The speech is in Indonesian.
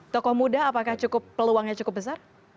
tokoh muda apakah peluangnya cukup besar